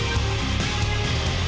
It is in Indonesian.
mas ini dia mas